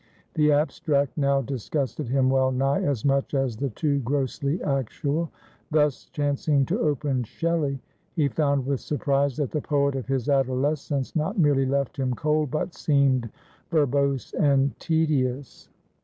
The abstract now disgusted him well nigh as much as the too grossly actual. Thus, chancing to open Shelley, he found with surprise that the poet of his adolescence not merely left him cold, but seemed verbose and tedious.